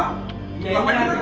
ini berjorongan pak